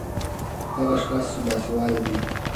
ـ هغه اشخاص چې باسېواده دي